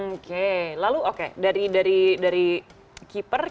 oke lalu oke dari keeper kita kan berhubungan dengan